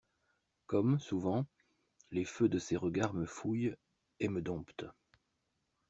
Comme, souvent, les feux de ses regards me fouillent et me domptent!